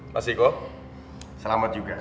mas iko selamat juga